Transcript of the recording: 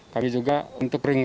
kami juga untuk ringgit